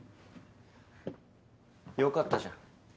よかったじゃん。